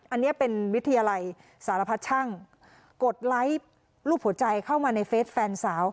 อันนี้เป็นวิทยาลัยสารพัดช่างกดไลค์รูปหัวใจเข้ามาในเฟสแฟนสาว